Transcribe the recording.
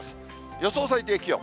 予想最低気温。